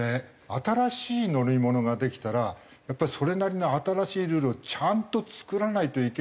新しい乗り物ができたらやっぱりそれなりの新しいルールをちゃんと作らないといけないのに。